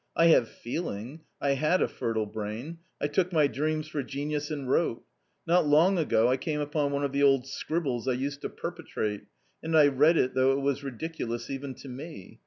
I have feeling, I had a fertile brain; I took my dreams for genius and wrote. Not long ago I came upon one of the old scribbles I used to perpetrate, and I reaci it though it was ridiculous even to me.